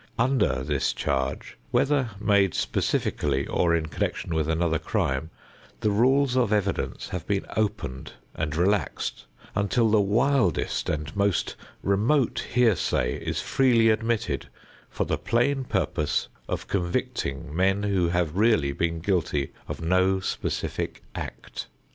Under this charge, whether made specifically or in connection with another crime, the rules of evidence have been opened and relaxed until the wildest and most remote hearsay is freely admitted for the plain purpose of convicting men who have really been guilty of no specific act.